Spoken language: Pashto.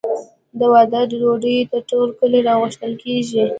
د واده ډوډۍ ته ټول کلی راغوښتل کیږي.